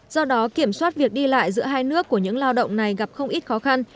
do đó kiểm soát việc đi lại giữa hai nước của những lao động này gặp không ít khó khăn